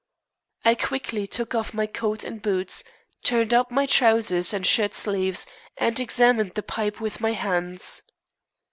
I quickly took off my coat and boots, turned up my trousers and shirt sleeves, and examined the pipe with my hands.